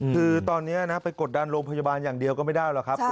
คือตอนนี้นะไปกดดันโรงพยาบาลอย่างเดียวก็ไม่ได้หรอกครับ